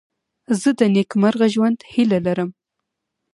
زه د نېکمرغه ژوند هیله لرم.